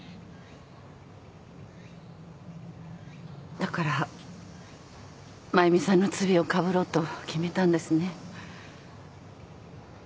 だから真弓さんの罪をかぶろうと決めたんですね？